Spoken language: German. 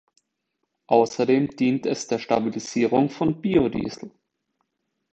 Außerdem dient es der Stabilisierung von Biodiesel.